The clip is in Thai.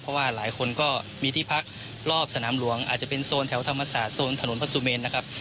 เพราะว่าหลายคนก็มีที่พักรอบสนามหลวงอาจจะเป็นโซนแถวธรรมศาสตร์โซนถนนพระสุเมนนะครับ